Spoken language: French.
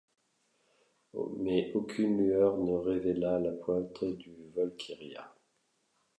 Mais aucune lueur ne révéla la pointe du Volquiria.